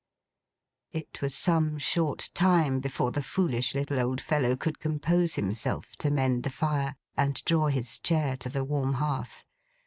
It was some short time before the foolish little old fellow could compose himself to mend the fire, and draw his chair to the warm hearth.